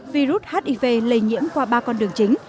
virus hiv lây nhiễm qua ba con đường chính